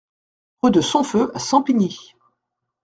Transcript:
Rue de Sompheu à Sampigny